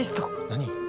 何？